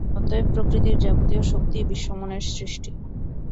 অতএব প্রকৃতির যাবতীয় শক্তিই বিশ্বমনের সৃষ্টি।